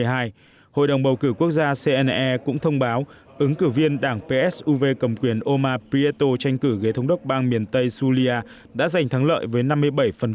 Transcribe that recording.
hội đồng bầu cử quốc gia cne cũng thông báo ứng cử viên đảng psuv cầm quyền omar prieto tranh cử ghế thống đốc bang miền tây zulia đã giành thắng lợi với năm mươi bảy số phiếu ủng hộ